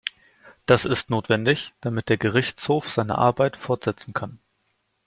Das ist notwendig, damit der Gerichtshof seine Arbeit fortsetzen kann.